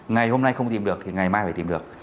ngày hôm nay không tìm được thì ngày mai phải tìm được